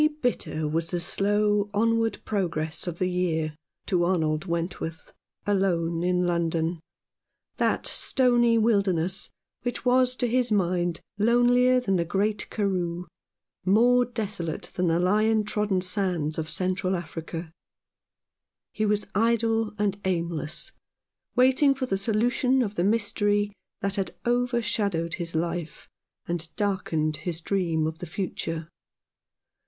VERY bitter was the slow onward progress of the year to Arnold Wentworth alone in London, that stony wilderness which was to his mind lonelier than the great Karroo, more desolate than the lion trodden sands of Central Africa. He was idle and aimless, waiting for the solution of the mystery that had overshadowed his life, and darkened his dream of the future.